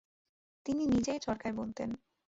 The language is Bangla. তিনি নিজেই চরকায় বুনতেন।